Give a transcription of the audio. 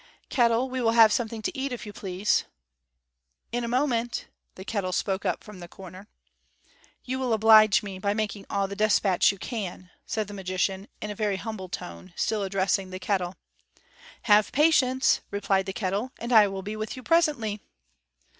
Kettle, we will have something to eat, if you please." "In a moment," the kettle spoke up from the corner. "You will oblige me by making all the despatch you can," said the magician, in a very humble tone, still addressing the kettle. "Have patience," replied the kettle, "and I will be with you presently."